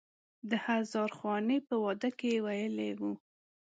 د هزار خوانې په واده کې یې ویلی و.